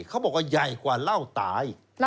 เขาบอกว่าใหญ่กว่าเหล้าตาย